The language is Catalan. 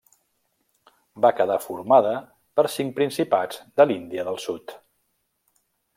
Va quedar formada per cinc principats de l'Índia del sud.